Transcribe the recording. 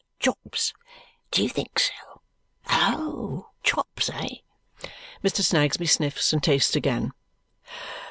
"Chops, do you think? Oh! Chops, eh?" Mr. Snagsby sniffs and tastes again.